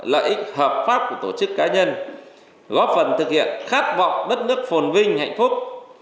lợi ích hợp pháp của tổ chức cá nhân góp phần thực hiện khát vọng đất nước phồn vinh hạnh phúc